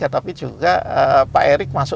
tapi juga pak erick masuk p tiga